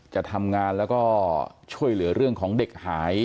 จะทำงานแล้วก็ช่วยเหลือเรื่องของเด็กหาย